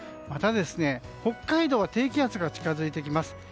また北海道に低気圧が近づいてきます。